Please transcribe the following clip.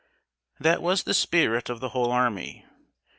] That was the spirit of the whole army.